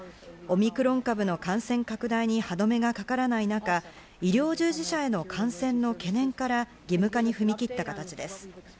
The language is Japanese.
オミクロン株の感染拡大に歯止めがかからない中、医療従事者への感染の懸念から義務化に踏み切った形です。